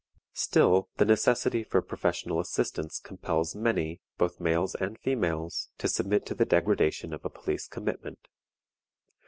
Still the necessity for professional assistance compels many, both males and females, to submit to the degradation of a police commitment.